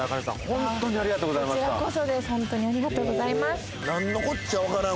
ホントにありがとうございます